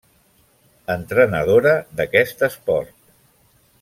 Entrenadora d'aquest esport.